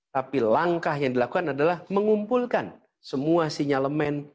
tapi langkah yang dilakukan adalah mengumpulkan semua sinyalemen